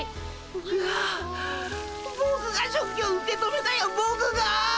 ボクがボクが食器を受け止めたよボクが。